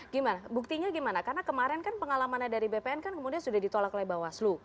gimana buktinya gimana karena kemarin kan pengalamannya dari bpn kan kemudian sudah ditolak oleh bawaslu